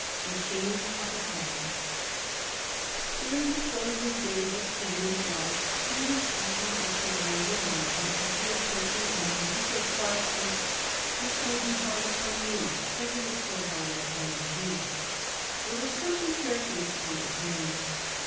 "THE CHAINS OF THE CATHOLIC." [Sidenote: 1827 Lord Goderich] During the closing days of Canning's life he was speaking to Sir William Knighton of the approaching end, and he said, quietly: "This may be hard upon me, but it is still harder upon the King." There was something characteristic in the saying.